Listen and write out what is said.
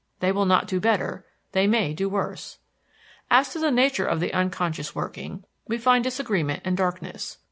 They will not do better; they may do worse. As to the nature of the unconscious working, we find disagreement and darkness.